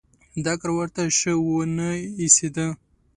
دا کار ورته شه ونه ایسېده.